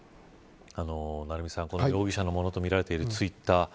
成三さん、容疑者のものとみられる、ツイッター。